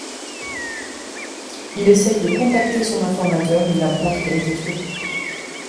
Il essaye de contacter son informateur, mais il apprend qu’il a été tué.